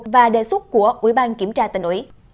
và đề xuất của ủy ban kiểm tra tỉnh ủy